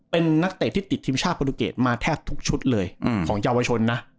เป็นนักเตะที่ติดทีมชาติโปรตูเกตมาแทบทุกชุดเลยของเยาวชนนะ